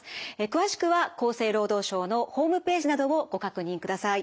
詳しくは厚生労働省のホームページなどをご確認ください。